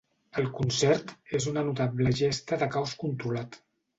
El concert és una notable gesta de caos controlat.